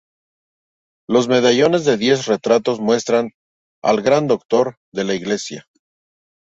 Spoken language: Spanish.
Los medallones de diez retratos muestran al gran doctor de la Iglesia.